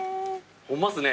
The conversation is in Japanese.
ホンマっすね。